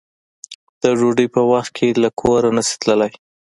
د ډوډۍ په وخت کې له کوره نشې تللی